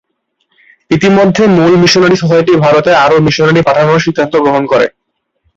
ইতিমধ্যে মুল missionary society ভারতে আরও মিশনারি পাঠানোর সিদ্ধান্ত গ্রহণ করে।